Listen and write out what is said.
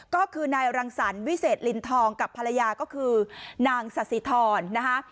ก็คือนายรังสรรควิเศษลินทองกับภรรยาก็คือนางสาธิธรนะคะ